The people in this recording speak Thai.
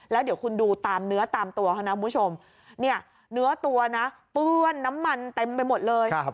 แล้วเดี๋ยวคุณดูตามเนื้อตามตัวเนื้อตัวปื้นน้ำมันเต็มไปหมดเลย